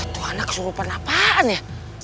tuhan aku suruh penapaan ya